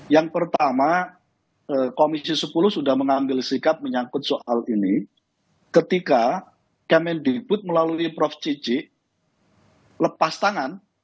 yang pertama komisi sepuluh sudah mengambil sikap menyangkut soal ini ketika kemendikbud melalui prof ciji lepas tangan